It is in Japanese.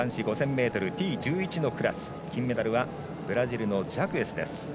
ｍＴ１１のクラス金メダルはブラジルのジャクエスです。